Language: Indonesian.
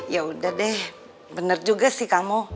ya udah deh bener juga sih kamu